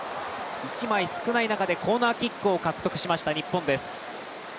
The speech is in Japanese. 一枚少ない中でコーナーキックを獲得しました日本です。